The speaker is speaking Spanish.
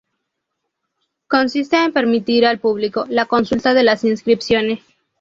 Consiste en permitir al público la consulta de las inscripciones.